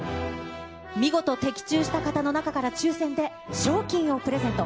見事的中した方の中から、抽せんで賞金をプレゼント。